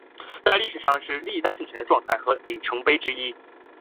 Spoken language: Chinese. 在中国历史上是历代政权的状态和里程碑之一。